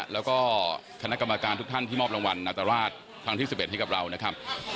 แล้วก็คณะกรรมการทุกท่านที่มอบรางวัลนาตราชครั้งที่๑๑ให้กับเรานะครับ